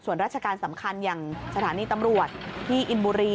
ส่วนราชการสำคัญอย่างสถานีตำรวจที่อินบุรี